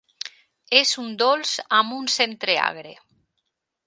És un dolç amb un centre agre.